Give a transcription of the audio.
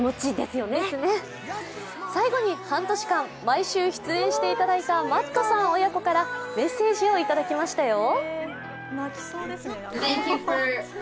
最後に半年間、毎週出演していただいたマットさん親子からメッセージをいただきましたよ。